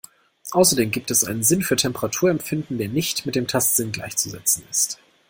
Außerdem gibt es einen Sinn für Temperaturempfinden, der nicht mit dem Tastsinn gleichzusetzen ist.